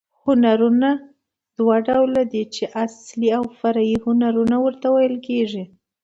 هنرونه دوه ډول دي، چي اصلي او فرعي هنرونه ورته ویل کېږي.